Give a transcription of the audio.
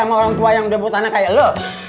sama orang tua yang udah buat anak kayak lu